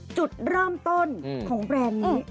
จุดเริ่มต้นของแบรนด์นี้